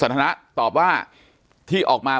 ปากกับภาคภูมิ